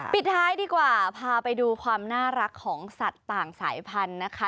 ปิดท้ายดีกว่าพาไปดูความน่ารักของสัตว์ต่างสายพันธุ์นะคะ